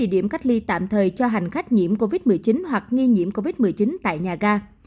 hai mươi điểm cách ly tạm thời cho hành khách nhiễm covid một mươi chín hoặc nghi nhiễm covid một mươi chín tại nhà ga